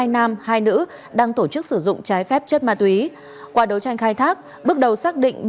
hai nam hai nữ đang tổ chức sử dụng trái phép chất ma túy qua đấu tranh khai thác bước đầu xác định